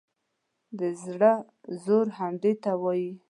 د زړه زور همدې ته وایي.